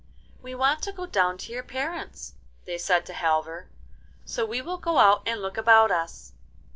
'We want to go down to your parents,' they said to Halvor, 'so we will go out and look about us.